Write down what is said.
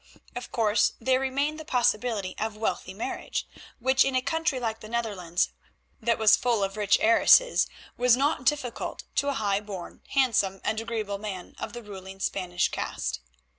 Of course there remained the possibility of wealthy marriage, which in a country like the Netherlands, that was full of rich heiresses, was not difficult to a high born, handsome, and agreeable man of the ruling Spanish caste.